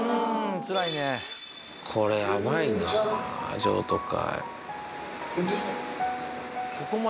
これ、やばいな、譲渡会。